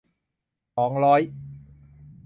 สองร้อย